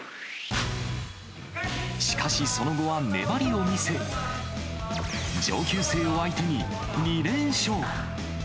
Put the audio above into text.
しかしその後は粘りを見せ、上級生を相手に２連勝。